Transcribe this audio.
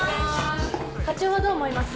課長はどう思います？